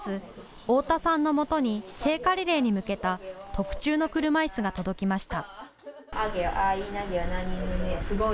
太田さんのもとに聖火リレーに向けた特注の車いすが届きました。